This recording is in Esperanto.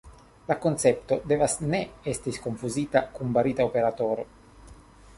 La koncepto devas ne esti konfuzita kun barita operatoro.